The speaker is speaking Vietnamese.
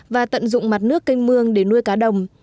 và tận dụng mặt nước canh mương để nuôi cá đồng